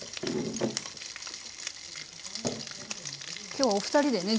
今日お二人でね